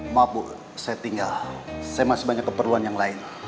maaf bu saya tinggal saya masih banyak keperluan yang lain